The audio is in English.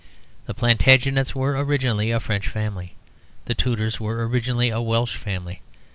The Plantagenets were originally a French family. The Tudors were originally a Welsh family.